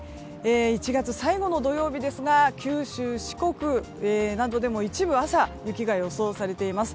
１月最後の土曜日ですが九州、四国などでも一部で朝、雪が予想されています。